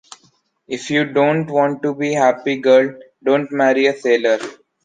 If you want to be happy, girl, don’t marry a sailor.